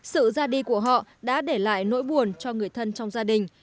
sự ra đi của họ đã để lại nỗi buồn cho người thân trong gia đình